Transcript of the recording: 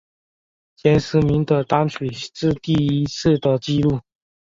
前十名的单曲是第一次的记录。